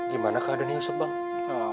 gimana keadaan yusuf bang